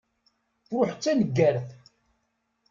Truḥ d taneggart.